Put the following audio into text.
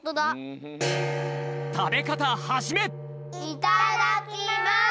いただきます。